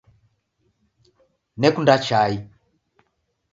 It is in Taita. Nekunda chai